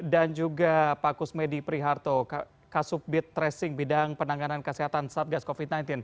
dan juga pak kusmedi priharto kasus bid tracing bidang penanganan kesehatan sagas covid sembilan belas